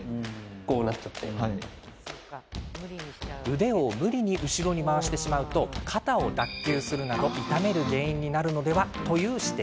腕を無理に後ろに回してしまうと肩を脱臼するなど痛める原因になるのではという指摘。